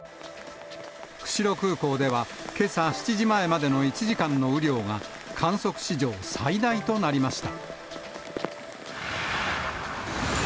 釧路空港では、けさ７時前までの１時間の雨量が観測史上最大となりました。